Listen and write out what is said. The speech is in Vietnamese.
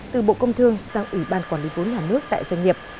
từ bộ công thương sang ủy ban quản lý vốn nhà nước tại doanh nghiệp